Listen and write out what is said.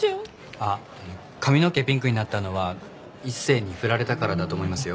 あっ髪の毛ピンクになったのは一星に振られたからだと思いますよ。